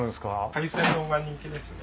海鮮丼が人気ですね。